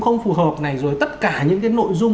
không phù hợp này rồi tất cả những cái nội dung